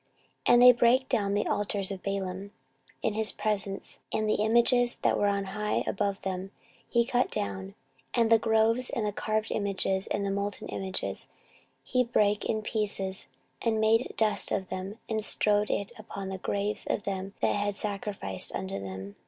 14:034:004 And they brake down the altars of Baalim in his presence; and the images, that were on high above them, he cut down; and the groves, and the carved images, and the molten images, he brake in pieces, and made dust of them, and strowed it upon the graves of them that had sacrificed unto them.